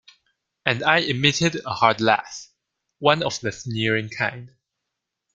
And I emitted a hard laugh — one of the sneering kind.